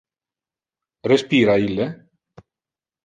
Respira ille?